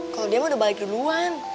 kalau dia mah udah balik duluan